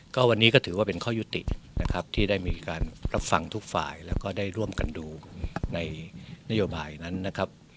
ก็วันนี้ก็ถือว่าเป็นข้อยุตินะครับที่ได้มีการรับฟังทุกฝ่ายแล้วก็ได้ร่วมกันดูในนโยบายนั้นนะครับ